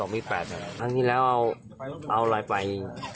มันหลุดไป